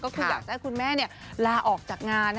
ก็คืออยากจะให้คุณแม่ลาออกจากงาน